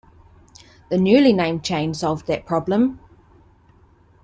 The newly named chain solved that problem.